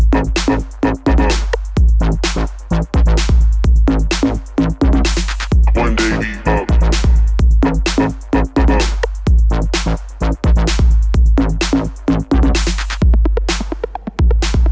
โปรดติดตามตอนต่อไป